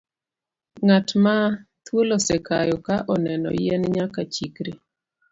Ng'at ma thuol osekayo ka oneno yien nyaka chikre.